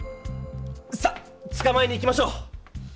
さっつかまえに行きましょう！